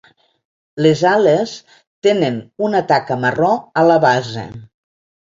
Les ales tenen una taca marró a la base.